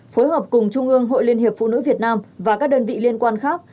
phối hợp cùng trung ương hội liên hiệp phụ nữ việt nam và các đơn vị liên quan khác